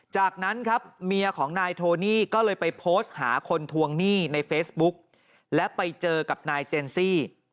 จากนั้นครับเมียของนายโทนี่ก็เลยไปโพสต์หาคนทวงหนี้ในเฟซบุ๊กและไปเจอกับนายเจนซี่